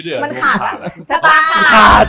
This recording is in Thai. ชาตาขัด